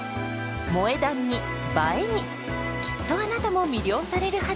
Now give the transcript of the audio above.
「萌え断」に「映え」にきっとあなたも魅了されるはず！